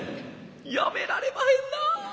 やめられまへんな。